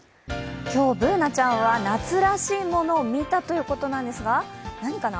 今日Ｂｏｏｎａちゃんは夏らしいものを見たということですが何かな？